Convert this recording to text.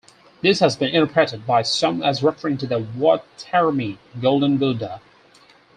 This has been interpreted by some as referring to the Wat Traimit Golden Buddha.